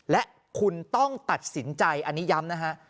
และคุณต้องตัดสินใจอันนี้ย้ำนะฮะ